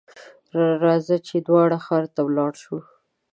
راځه ! چې دواړه ښار ته ولاړ شو.